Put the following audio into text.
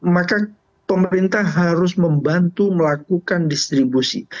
maka pemerintah harus membantu melakukan distribusi